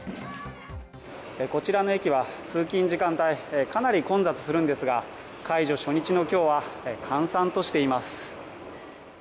こちらの駅は通勤時間帯、かなり混雑するんですが、解除初日の今日は閑散としています。